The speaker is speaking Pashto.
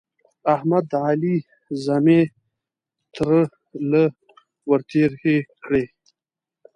احمد د علي زامې تر له ور تېرې کړې.